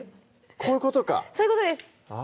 こういうことかそういうことです